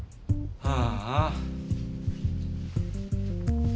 はあ？